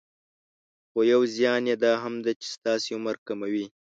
خو يو زيان يي دا هم ده چې ستاسې عمر کموي.